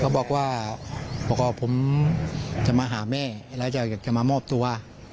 บอกว่าผมจะมาหาแม่แล้วอยากจะมามอบตัว